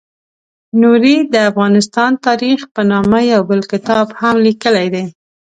نوري د افغانستان تاریخ په نامه یو بل کتاب هم لیکلی دی.